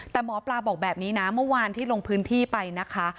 แต่หมอปลาบอกแบบนี้นะเมื่อวานที่ลงพื้นที่ไปนะคะ